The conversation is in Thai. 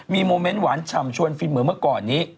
มีโมเมนต์หวานฉ่ำชวนฟินเหมือนเมื่อก่อนนี้